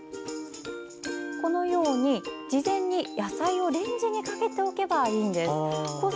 このように、事前に野菜をレンジにかけておけばいいんです。